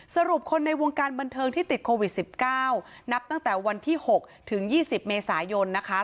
สรุปคนในวงการบันเทิงที่ติดโควิด๑๙นับตั้งแต่วันที่๖ถึง๒๐เมษายนนะคะ